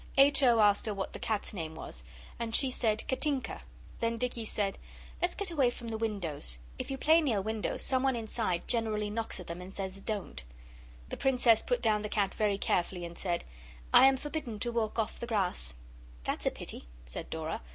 H. O. asked her what the cat's name was, and she said 'Katinka.' Then Dicky said 'Let's get away from the windows; if you play near windows some one inside generally knocks at them and says "Don't".' The Princess put down the cat very carefully and said 'I am forbidden to walk off the grass.' 'That's a pity,' said Dora.